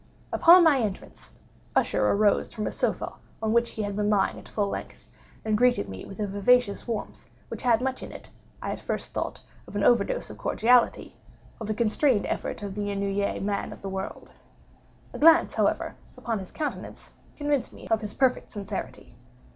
Upon my entrance, Usher arose from a sofa on which he had been lying at full length, and greeted me with a vivacious warmth which had much in it, I at first thought, of an overdone cordiality—of the constrained effort of the ennuyé man of the world. A glance, however, at his countenance, convinced me of his perfect sincerity.